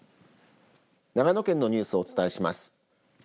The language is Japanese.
長野県のニュースをお伝えします。